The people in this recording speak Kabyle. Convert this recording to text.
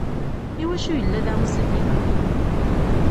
Iwacu yella da uselkim-a?